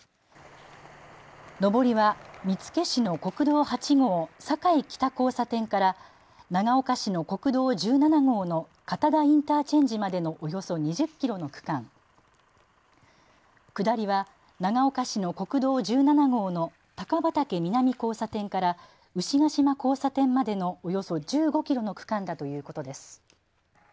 上りは見附市の国道８号坂井北交差点から長岡市の国道１７号の片田インターチェンジまでのおよそ２０キロの区間、下りは長岡市の国道１７号の高畑南交差点から牛ケ島交差点までのおよそ１５キロの区間だということです。